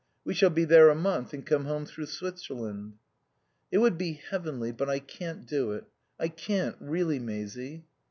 We shall be there a month and come home through Switzerland." "It would be heavenly, but I can't do it. I can't, really, Maisie."